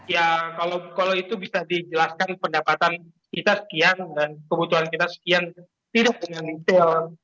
ya kalau itu bisa dijelaskan pendapatan kita sekian dan kebutuhan kita sekian tidak dengan detail